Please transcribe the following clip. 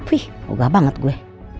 wih moga banget gue